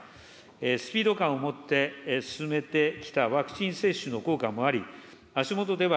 スピード感を持って進めてきたワクチン接種の効果もあり、足下では、